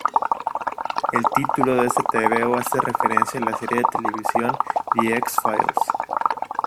El título de este tebeo hace referencia a la serie de televisión "The X-Files".